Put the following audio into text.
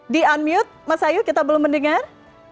di unmute mas ayu kita belum mendengar